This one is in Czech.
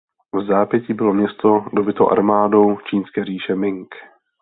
Vzápětí bylo město dobyto armádou čínské říše Ming.